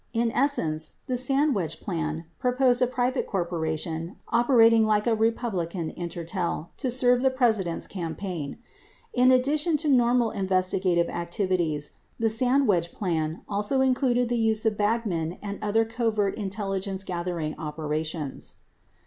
4 In essence, the Sandwedge plan proposed a private cor poration operating like a Republican "Intertel" 5 to serve the Presi dent's campaign. 53 In addition to normal investigative activities, the Sandwedge plan also included the use of bagmen and other covert intelligence gathering operations.